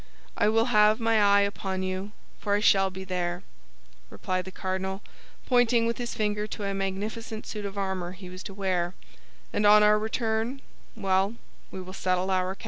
I will have my eye upon you, for I shall be there," replied the cardinal, pointing with his finger to a magnificent suit of armor he was to wear, "and on our return, well—we will settle our account!"